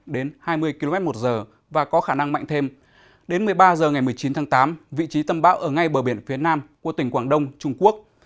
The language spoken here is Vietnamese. đến một mươi ba h ngày một mươi chín tháng tám vị trí tâm bão ở ngay bờ biển phía nam của tỉnh quảng đông trung quốc